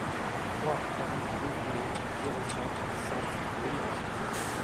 trois avenue du Dauphiné, zéro cinq, cent, Briançon